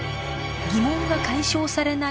疑問が解消されない